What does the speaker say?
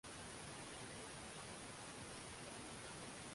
Michezo ya watoto ipo ya aina mbalimbali